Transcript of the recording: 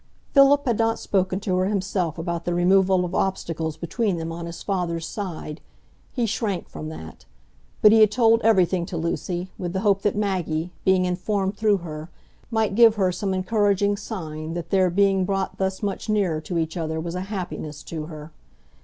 Philip had not spoken to her himself about the removal of obstacles between them on his father's side,—he shrank from that; but he had told everything to Lucy, with the hope that Maggie, being informed through her, might give him some encouraging sign that their being brought thus much nearer to each other was a happiness to her.